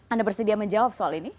anda bersedia menjawab soal ini